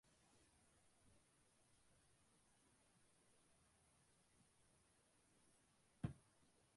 அவைபற்றி அவை சிந்திப்பதில்லை.